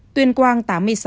tuyên quang tám mươi sáu